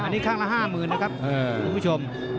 อันนี้ข้างละ๕๐๐๐นะครับคุณผู้ชม